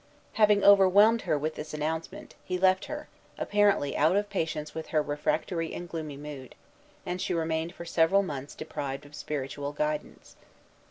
Having overwhelmed her with this announcement, he left her, apparently out of patience with her refractory and gloomy mood; and she remained for several months deprived of spiritual guidance.